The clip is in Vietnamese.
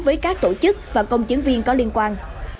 với các tổ chức và công chứng viên có liên quan